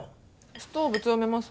ストーブ強めます。